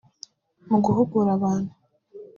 Mu guhugura abantu